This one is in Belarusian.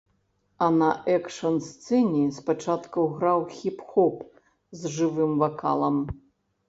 А на экшн-сцэне спачатку граў хіп-хоп з жывым вакалам.